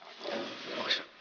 iya terima kasih